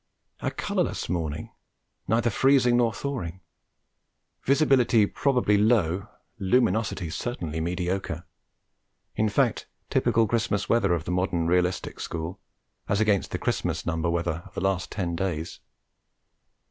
A colourless morning, neither freezing nor thawing; visibility probably low, luminosity certainly mediocre; in fact, typical Christmas weather of the modern realistic school, as against the Christmas Number weather of the last ten days.